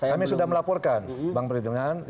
kami sudah melaporkan bang ferdinand